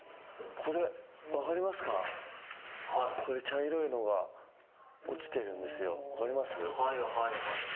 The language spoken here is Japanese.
これ、茶色いのが落ちてるんですよ、分かります？